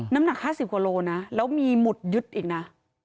น้ำหนัก๕๐กว่าโลนะแล้วมีหมุดยึดอีกนะ